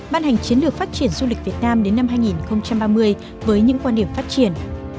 ban hành chiến lược phát triển du lịch việt nam đến năm hai nghìn ba mươi với những quan điểm phát triển